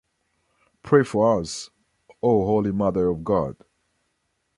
Pray for us, O' Holy Mother of God.